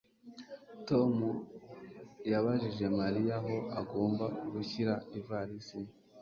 Tom yabajije Mariya aho agomba gushyira ivalisi ye